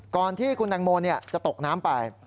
ก่อนที่คุณแตงโมจะตกน้ำไป